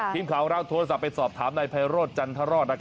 ทีมข่าวเราโทรศัพท์ไปสอบถามนายไพโรธจันทรศ